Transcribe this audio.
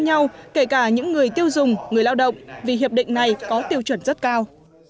nhau kể cả những người tiêu dùng người lao động vì hiệp định này có tiêu chuẩn rất cao